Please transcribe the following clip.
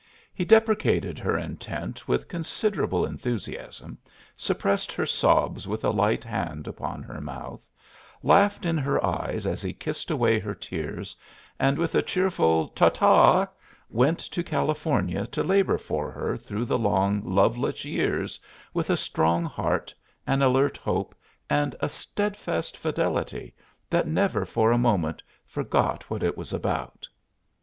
He deprecated her intent with considerable enthusiasm, suppressed her sobs with a light hand upon her mouth, laughed in her eyes as he kissed away her tears, and with a cheerful "Ta ta" went to California to labor for her through the long, loveless years, with a strong heart, an alert hope and a steadfast fidelity that never for a moment forgot what it was about.